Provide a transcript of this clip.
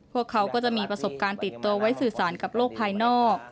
พวกเขาก็จะมีประสบการณ์ติดตัวไว้สื่อสารกับโลกภายนอก